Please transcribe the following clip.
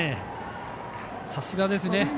さすがですね。